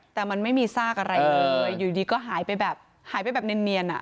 แต่มันไม่มีซากอะไรเลยอยู่ดีก็หายไปแบบเนียน